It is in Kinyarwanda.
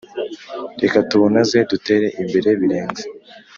Reka tuwunoze dutere imbere birenze.